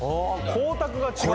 光沢が違うね